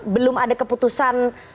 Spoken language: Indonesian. belum ada keputusan